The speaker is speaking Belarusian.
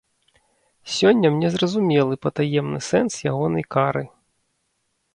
Сёння мне зразумелы патаемны сэнс ягонай кары.